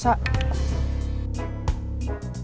saya males kalau berdua tim